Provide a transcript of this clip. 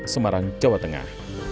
semarang jawa tengah